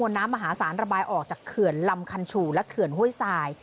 น้ำมหาศาลระบายออกจากเขื่อนลำคันฉู่และเขื่อนห้วยทราย